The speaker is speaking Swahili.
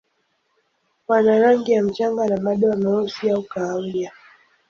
Wana rangi ya mchanga na madoa meusi au kahawia.